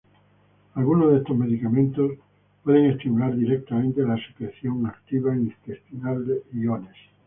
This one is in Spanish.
Algunos de estos medicamentos pueden estimular directamente la secreción activa intestinal de iones.